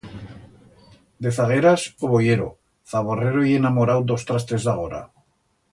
De zagueras, o boyero, zaborrero y enamorau d'os trastes d'agora.